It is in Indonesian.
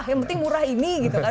yang penting murah ini gitu kan